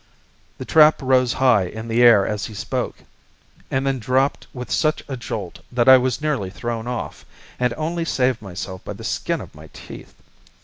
The trap rose high in the air as he spoke, and then dropped with such a jolt that I was nearly thrown off, and only saved myself by the skin of my teeth.